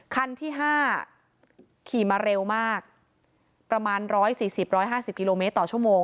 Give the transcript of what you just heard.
คันที่๕ขี่มาเร็วมากประมาณ๑๔๐๑๕๐กิโลเมตรต่อชั่วโมง